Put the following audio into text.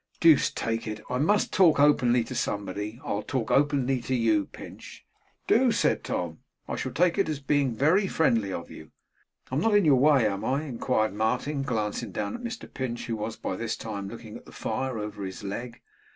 'Deuce take it, I must talk openly to somebody. I'll talk openly to you, Pinch.' 'Do!' said Tom. 'I shall take it as being very friendly of you,' 'I'm not in your way, am I?' inquired Martin, glancing down at Mr Pinch, who was by this time looking at the fire over his leg.